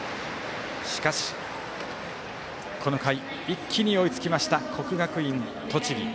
しかし、この回一気に追いつきました国学院栃木。